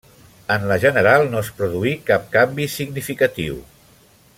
En la general no es produí cap canvi significatiu.